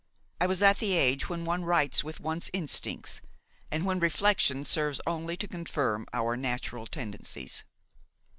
I was at the age when one writes with one's instincts, and when reflection serves only to confirm our natural tendencies.